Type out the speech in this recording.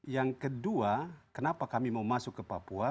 yang kedua kenapa kami mau masuk ke papua